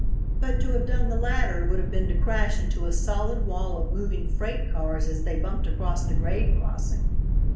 But to have done the latter would have been to crash into a solid wall of moving freight cars as they bumped across the grade crossing.